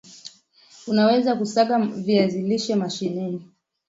Unaweza kusaga viazi lishe mashineni